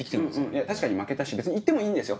確かに負けたし別に行ってもいいんですよ。